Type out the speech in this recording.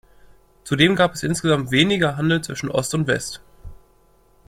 Zudem gab es insgesamt weniger Handel zwischen Ost und West.